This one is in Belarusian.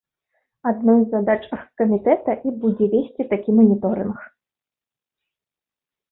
Адной з задач аргкамітэта і будзе весці такі маніторынг.